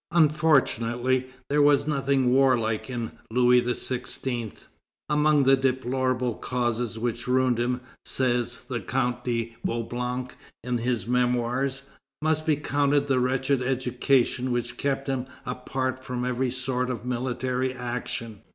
Unfortunately, there was nothing warlike in Louis XVI. "Among the deplorable causes which ruined him," says the Count de Vaublanc in his Memoirs, "must be counted the wretched education which kept him apart from every sort of military action.